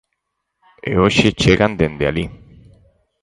E hoxe chegan dende alí.